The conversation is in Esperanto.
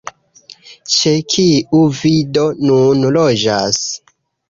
Ĉe kiu vi do nun loĝas?